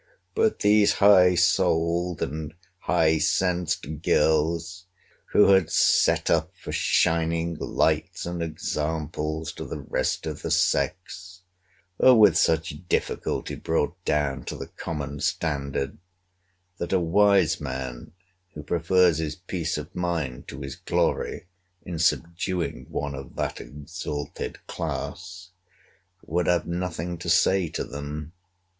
But these high souled and high sensed girls, who had set up for shining lights and examples to the rest of the sex, are with such difficulty brought down to the common standard, that a wise man, who prefers his peace of mind to his glory, in subduing one of that exalted class, would have nothing to say to them.